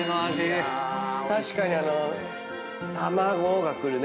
確かにあの「卵」がくるね。